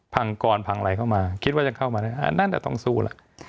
พังก่อนพังไหลเข้ามาคิดว่าจะเข้ามานั่นจะต้องสู้แล้ว